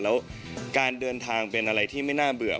แล้วการเดินทางเป็นอะไรที่ไม่น่าเบื่อ